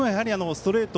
ストレート